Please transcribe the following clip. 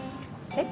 えっ？